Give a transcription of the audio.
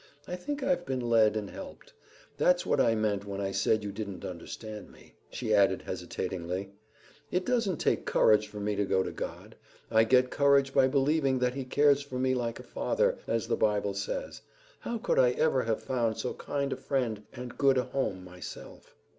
I think I've been led and helped. That's what I meant when I said you didn't understand me," she added hesitatingly. "It doesn't take courage for me to go to God. I get courage by believing that he cares for me like a father, as the bible says. How could I ever have found so kind a friend and good a home myself?"